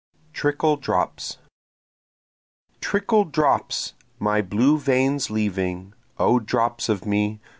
Trickle Drops Trickle drops! my blue veins leaving! O drops of me!